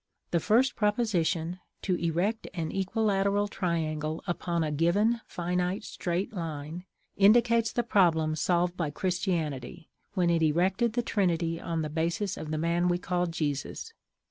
The first proposition, "To erect an equilateral triangle upon a given finite straight line," indicates the problem solved by Christianity, when it erected the Trinity on the basis of the man we call Jesus.